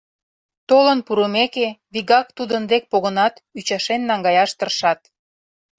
Толын пурымеке, вигак тудын дек погынат, ӱчашен наҥгаяш тыршат.